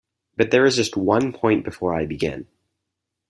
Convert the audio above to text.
But there is just one point before I begin.